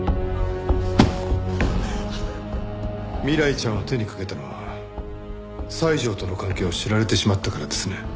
未来ちゃんを手にかけたのは西條との関係を知られてしまったからですね。